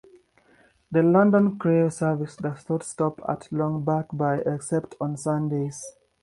The London-Crewe service does not stop at Long Buckby except on Sundays.